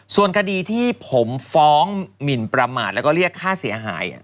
ส่วนคดีที่ผมฟ้องหมินประมาทแล้วก็เรียกค่าเสียหาย